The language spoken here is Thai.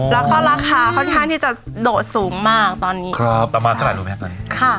แล้วก็ราคาค่อนข้างที่จะโดดสูงมากตอนนี้ครับประมาณเท่าไหร่รู้ไหมครับตอนนี้ค่ะ